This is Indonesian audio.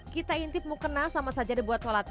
kita intipmu kenal sama saja dibuat sholat